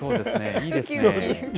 いいですね。